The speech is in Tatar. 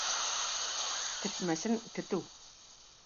Тетмәсен тетү.